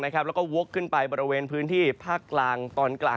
แล้วก็วกขึ้นไปบริเวณพื้นที่ภาคกลางตอนกลาง